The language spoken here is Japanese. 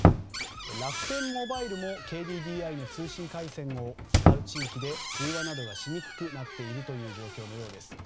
楽天モバイルもＫＤＤＩの通信回線を使う地域で通話などがしにくくなっているという状況のようです。